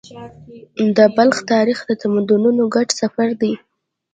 د بلخ تاریخ د تمدنونو ګډ سفر دی.